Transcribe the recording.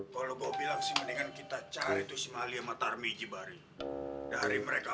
kalau gua bilang sih mendingan kita cari tuh si maliya matar miji bari dari mereka